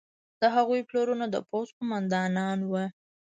د هغوی پلرونه د پوځ قوماندانان وو.